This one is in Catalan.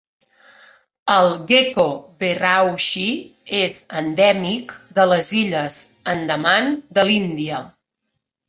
El Gekko verreauxi és endèmic de les Illes Andaman de l'Índia.